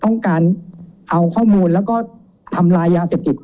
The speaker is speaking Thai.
ต้องการเอาข้อมูลแล้วก็ทำลายยาเสพติด